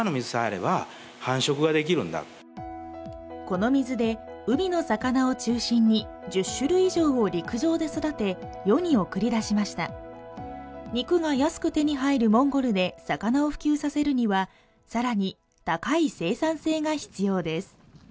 この水で海の魚を中心に１０種類以上を陸上で育て世に送り出しました肉が安く手に入るモンゴルで魚を普及させるにはさらに高い生産性が必要です